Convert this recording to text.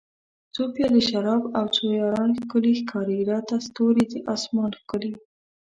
څو پیالۍ شراب او څو یاران ښکلي ښکاري راته ستوري د اسمان ښکلي